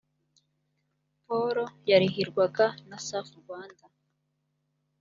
polo yarihirwaga na surf rwanda